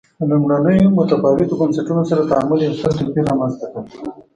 له لومړنیو متفاوتو بنسټونو سره تعامل یو ستر توپیر رامنځته کړ.